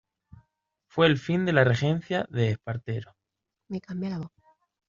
Fue el fin de la regencia de Espartero.